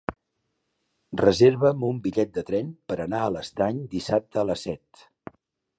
Reserva'm un bitllet de tren per anar a l'Estany dissabte a les set.